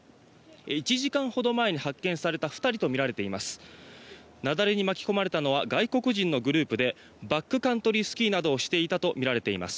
１時間ほど前に発見された２人とみられています。